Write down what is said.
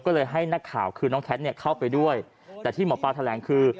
ก็เลยให้นักข่าวคือน้องแคทเนี่ยเข้าไปด้วยแต่ที่หมอปลาแถลงคือ